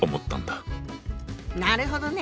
なるほどね。